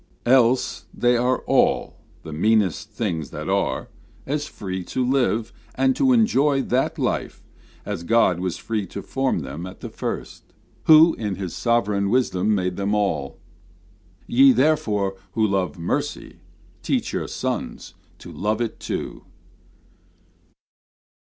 Else they are all the meanest things that are As free to live, and to enjoy that life, As God was free to form them at the first, Who in his sovereign wisdom made them all. Ye, therefore, who love mercy, teach your sons To love it too.